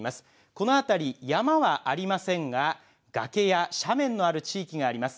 この辺り山はありませんが崖や斜面のある地域があります。